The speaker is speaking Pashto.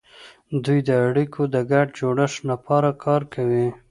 دوی د اړیکو د ګډ جوړښت لپاره کار کوي